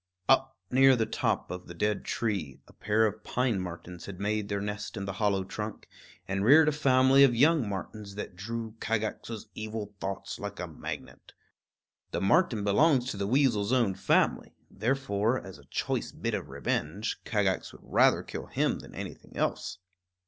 Up near the top of the dead tree, a pair of pine martens had made their den in the hollow trunk, and reared a family of young martens that drew Kagax's evil thoughts like a magnet. The marten belongs to the weasel's own family; therefore, as a choice bit of revenge, Kagax would rather kill him than anything else.